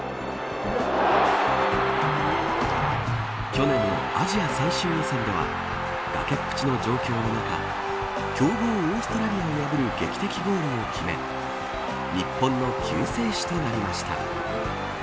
去年のアジア最終予選では崖っぷちの状況の中強豪オーストラリアを破る劇的ゴールを決め日本の救世主となりました。